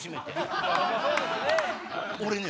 俺ね